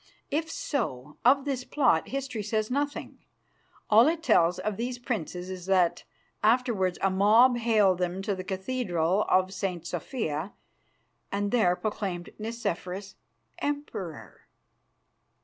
If so, of this plot history says nothing. All it tells of these princes is that afterwards a mob haled them to the Cathedral of St. Sophia and there proclaimed Nicephorus emperor.